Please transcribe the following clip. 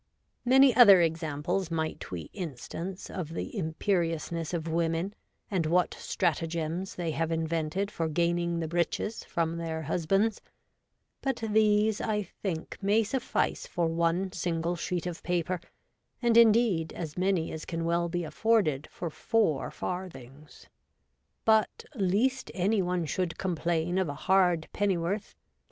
' Many other examples might we instance of the imperiousness of women, and what stratagems they have invented for gaining the Breeches from their Husbands, but these I think may suffice for one single sheet of paper, and, indeed, as many as can well be afforded for four Farthings ; but least any one should complain of a hard pennyworth, to 126 REVOLTED WOMAN.